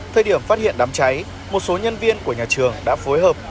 thời điểm phát hiện đám cháy một số nhân viên của nhà trường đã phối hợp